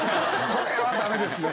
これはダメですね。